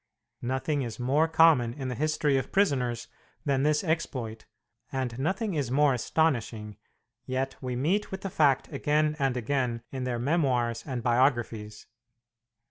Nothing is more common in the history of prisoners than this exploit, and nothing is more astonishing, yet we meet with the fact again and again in their memoirs and biographies.